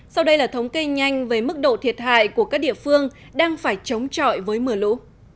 sau đây là thống kê nhanh về mức độ thiệt hại của các địa phương đang phải chống chọi với mưa lũ